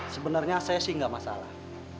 sebenarnya saya sih nggak masalah